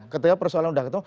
ketika persoalan sudah ketemu